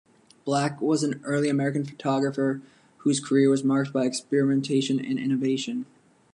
Black, was an early American photographer whose career was marked by experimentation and innovation.